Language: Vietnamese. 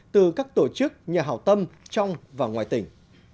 từ các tổ chức nhà hảo tâm trong và ngoài tỉnh